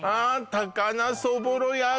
高菜そぼろ奴